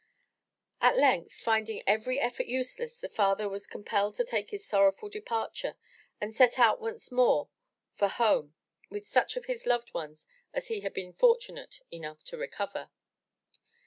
At length, finding every effort useless, the father was com pelled to. take his sorrowful departure, and set out once more for home with such of his loved ones as he had been fortunate enough to recover.